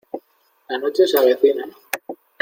la noche se avecina.